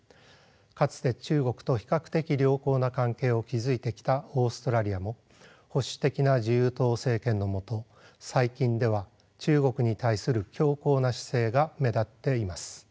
かつて中国と比較的良好な関係を築いてきたオーストラリアも保守的な自由党政権の下最近では中国に対する強硬な姿勢が目立っています。